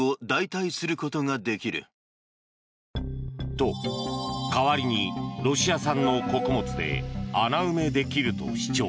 と、代わりにロシア産の穀物で穴埋めできると主張。